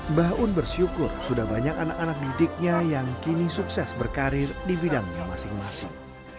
mbah un bersyukur sudah banyak anak anak didiknya yang kini sukses berkarir di bidangnya masing masing